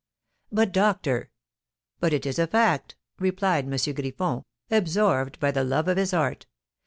"But doctor " "But it is a fact," replied M. Griffon, absorbed by the love of his art.